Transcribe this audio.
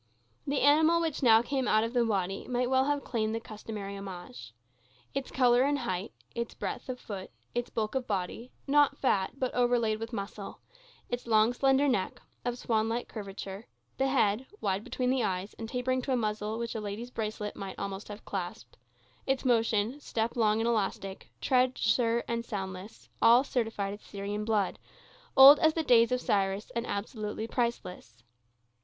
The animal which now came out of the wady might well have claimed the customary homage. Its color and height; its breadth of foot; its bulk of body, not fat, but overlaid with muscle; its long, slender neck, of swanlike curvature; the head, wide between the eyes, and tapering to a muzzle which a lady's bracelet might have almost clasped; its motion, step long and elastic, tread sure and soundless—all certified its Syrian blood, old as the days of Cyrus, and absolutely priceless.